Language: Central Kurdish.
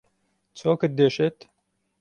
چۆکت دێشێت؟